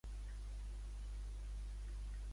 Per què li diu la muller que no li podrà contestar?